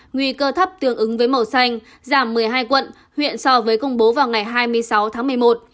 nguy cơ thấp tương ứng với màu xanh giảm một mươi hai quận huyện so với công bố vào ngày hai mươi sáu tháng một mươi một